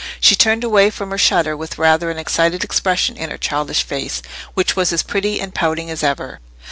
She turned away from her shutter with rather an excited expression in her childish face, which was as pretty and pouting as ever.